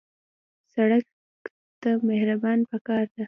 سړک ته مهرباني پکار ده.